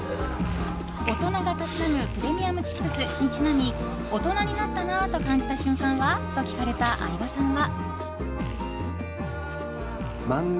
大人が嗜むプレミアムチップスにちなみ大人になったなと感じた瞬間は？と聞かれた相葉さんは。